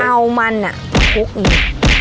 เอามันคุกอย่างนี้